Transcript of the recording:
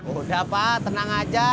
udah pak tenang aja